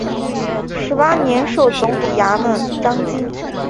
十八年授总理衙门章京。